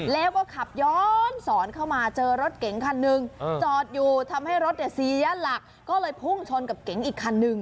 แล้วก็ขับย้อนสอนเข้ามาเจอรถเก๋งคันหนึ่งจอดอยู่ทำให้รถเนี่ยเสียหลักก็เลยพุ่งชนกับเก๋งอีกคันนึง